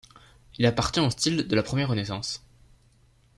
Il appartient au style de la Première Renaissance.